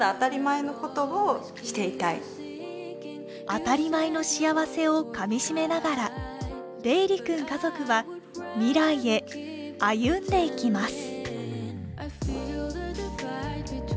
当たり前の幸せをかみしめながら、怜龍君家族は未来へ歩んでいきます。